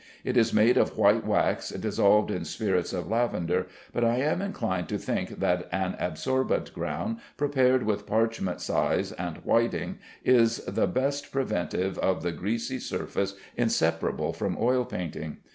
It is made of white wax dissolved in spirits of lavender, but I am inclined to think that an absorbent ground prepared with parchment size and whiting is the best preventive of the greasy surface inseparable from oil painting.